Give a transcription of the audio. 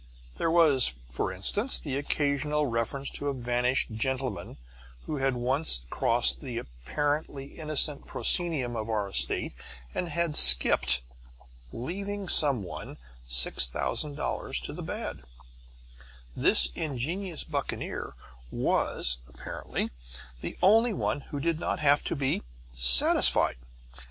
there was, for instance, occasional reference to a vanished gentleman who had once crossed the apparently innocent proscenium of our estate and had skipped, leaving someone six thousand dollars to the bad; this ingenious buccaneer was, apparently, the only one who did not have to be "satisfied."